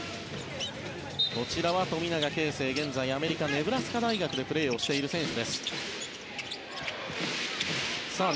そして、富永啓生はアメリカのネブラスカ大学でプレーをしている選手。